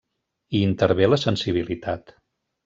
Hi intervé la sensibilitat.